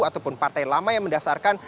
ataupun partai lama yang mendaftarkan